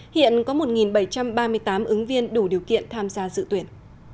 hiện có một bảy trăm ba mươi tám ứng viên đủ điều kiện tham gia dự tuyển